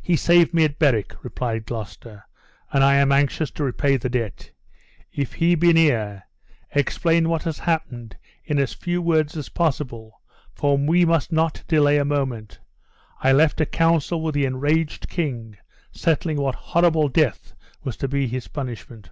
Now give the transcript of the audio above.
"He saved me at Berwick," replied Gloucester, "and I am anxious to repay the debt. If he be near, explain what has happened in as few words as possible, for we must not delay a moment. I left a council with the enraged king, settling what horrible death was to be his punishment."